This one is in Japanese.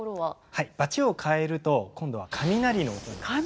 はいバチを替えると今度は雷の音になりました。